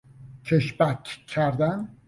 کشبک کردن